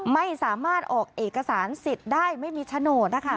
ไม่สามารถออกเอกสารสิทธิ์ได้ไม่มีโฉนดนะคะ